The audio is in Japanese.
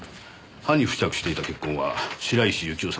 刃に付着していた血痕は白石幸生さんのものでした。